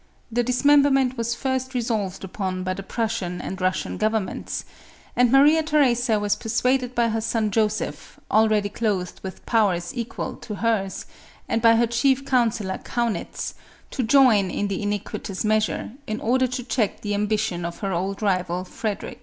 The dismemberment was first resolved upon by the Prussian and Russian governments ; and Maria Theresa was per suaded by her son Joseph, already clothed with powers equal to hers, and by her chief counsellor, Kaunitz, to join in the iniquitous measure, in order to check the ambition of her old rival, Frederic.